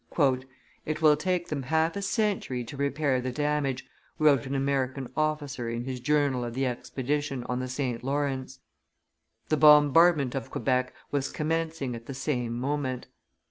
"It will take them half a century to repair the damage," wrote an American officer in his journal of the expedition on the St. Lawrence. The bombardment of Quebec was commencing at the same moment.